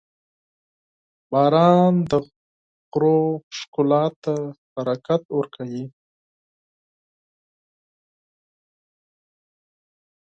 • باران د غرونو ښکلا ته برکت ورکوي.